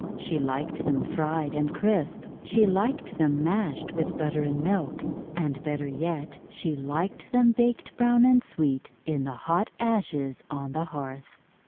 She liked them fried and crisp. She liked them mashed with butter and milk. And, better yet, she liked them baked brown and sweet in the hot ashes on the hearth.